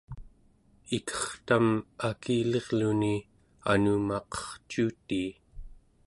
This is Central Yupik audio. itertam akilirluni anumaqercuutii